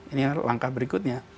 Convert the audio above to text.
ini langkah berikutnya